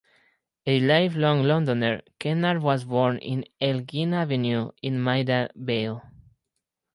A lifelong Londoner, Kennard was born on Elgin Avenue in Maida Vale.